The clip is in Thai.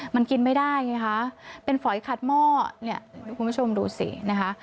มันกินไม่ได้ไงคะเป็นฝอยขัดหม้อเนี่ยคุณผู้ชมดูสินะคะ